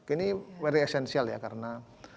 ini very essential ya karena